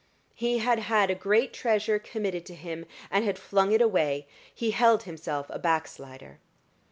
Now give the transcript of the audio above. He had had a great treasure committed to him, and had flung it away: he held himself a backslider.